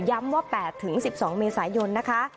ย้ำว่า๘ถึง๑๒เมษายนนะคะ